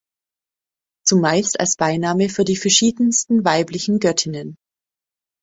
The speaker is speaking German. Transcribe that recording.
Zumeist als Beiname für die verschiedensten weiblichen Göttinnen.